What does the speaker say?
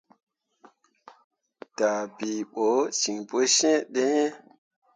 Dah bii ɓo ten pu siŋ di iŋ.